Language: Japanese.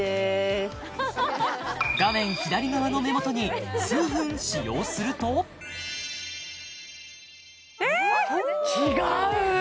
画面左側の目元に数分使用するとえっ違う！